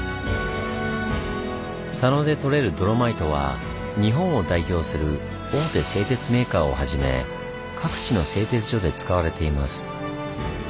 佐野でとれるドロマイトは日本を代表する大手製鉄メーカーをはじめ各地の製鉄所で使われています。